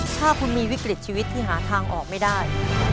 ถ้าคุณมีวิกฤตชีวิตที่หาทางออกไม่ได้